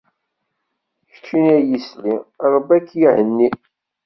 Keččini a yisli, Ṛebbi ad k-ihenni.